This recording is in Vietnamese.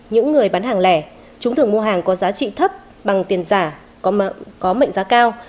những người bán hàng lẻ chúng thường mua hàng có giá trị thấp bằng tiền giả có mệnh giá cao